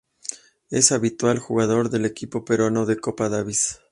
Es habitual jugador del equipo peruano de Copa Davis.